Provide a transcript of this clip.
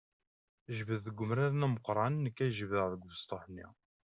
Jbed deg umrar-nni ameqqran, nekk ad jebdeɣ deg ubesṭuḥ-nni.